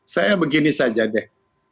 saya begini saja deh